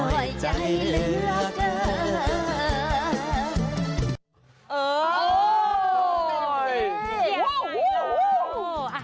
เยี่ยมมาก